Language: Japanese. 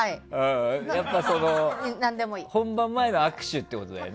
やっぱ、本場前の握手ってことだよね。